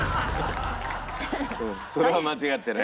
それは間違ってないね。